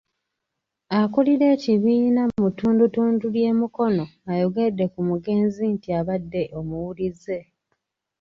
Akulira ekibiina mu ttundutundu ly'e Mukono ayogedde ku mugenzi nti abadde omuwulize.